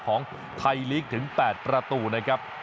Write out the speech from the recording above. ของไทยลีกถึง๘ประตูนะครับ